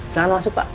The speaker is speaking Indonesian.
senang masuk pak